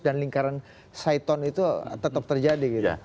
dan lingkaran saiton itu tetap terjadi